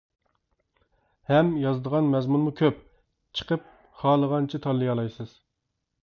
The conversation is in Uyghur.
ھەم يازىدىغان مەزمۇنمۇ كۆپ چىقىپ، خالىغانچە تاللىيالايسىز.